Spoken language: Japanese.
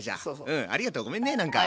うんありがとうごめんねなんか。